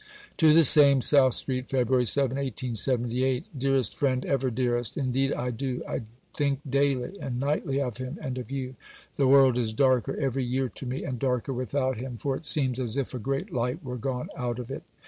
(To the same.) SOUTH ST., Feb. 7 . DEAREST FRIEND, EVER DEAREST Indeed I do: I think daily and nightly of him and of you: the world is darker every year to me, and darker without him: for it seems as if a great light were gone out of it.